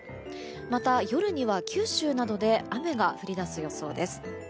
また、夜には九州などで雨が降り出す予想です。